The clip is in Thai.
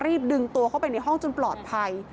ดึงตัวเข้าไปในห้องจนปลอดภัย